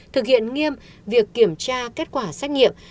thực hiện nghiêm việc kiểm tra kết quả xét nghiệm